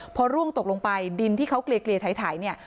พอร่วงตกลงไปดินที่เขาเกลียดเกลียดถ่ายถ่ายเนี่ย